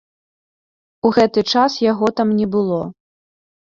У гэты час яго там не было.